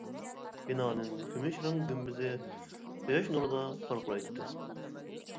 بىنانىڭ كۈمۈش رەڭ گۈمبىزى قۇياش نۇرىدا پارقىرايتتى.